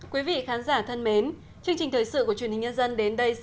quý vị khán giả thân mến chương trình thời sự của truyền hình nhân dân đến đây xin được kết thúc